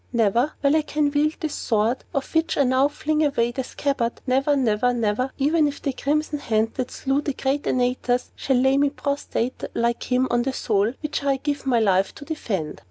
Never, while I can wield this sword, of which I now fling away the scabbard never, never, never, even if the crimson hand that slew the great Antaeus shall lay me prostrate, like him, on the soil which I give my life to defend."